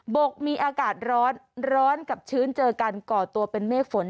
กมีอากาศร้อนร้อนกับชื้นเจอกันก่อตัวเป็นเมฆฝน